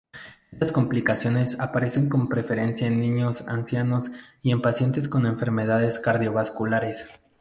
Estas complicaciones aparecen con preferencia en niños, ancianos y en pacientes con enfermedades cardiovasculares.